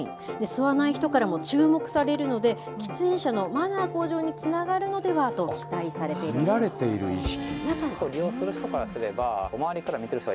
吸わない人からも注目されるので、喫煙者のマナー向上につながるの見られている意識。